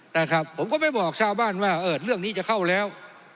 นะครับผมก็ไปบอกชาวบ้านว่าเออเรื่องนี้จะเข้าแล้ว